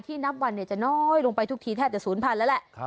ที่นับวันจะน้อยลงไปทุกทีแทบแต่๐พันธุ์แล้วแหละ